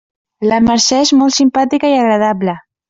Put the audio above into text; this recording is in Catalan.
La Mercè és molt simpàtica i agradable.